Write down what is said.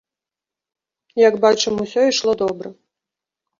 Як бачым, усё ішло добра.